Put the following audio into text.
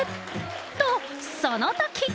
と、そのとき。